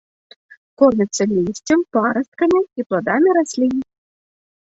Корміцца лісцем, парасткамі і пладамі раслін.